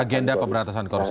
agenda pemberantasan korupsi